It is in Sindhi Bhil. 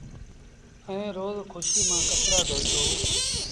ائيٚݩ روز کُوشيٚ مآݩ ڪپڙآ ڌوئيٚتو۔